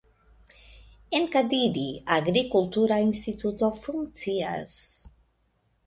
En Kadiri agrikultura instituto funkcias.